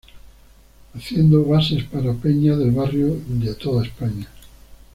Haciendo bases para peña del barrio y de toda España.